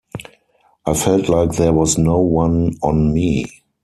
I felt like there was no one on me.